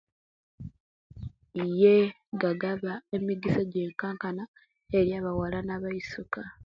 Iyee gagaba emikisa ejekankana eri abawala ne abaiisuka